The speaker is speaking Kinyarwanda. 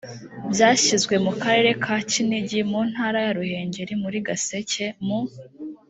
byashyizwe mu karere ka kinigi mu ntara ya ruhengeri muri gaseke mu